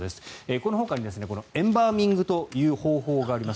このほかにエンバーミングという方法があります。